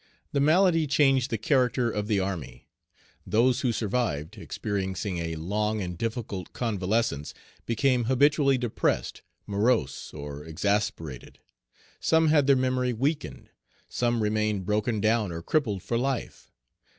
The malady changed the character of the army. Those who survived, experiencing a long and difficult convalescence, became habitually depressed, morose, or exasperated. Some had their memory weakened; some remained broken down or crippled for life.